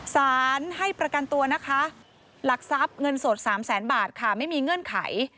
สารให้ประกันตัวนะคะหลักทรัพย์เงินสด๓แสนบาทค่ะไม่มีเงื่อนไข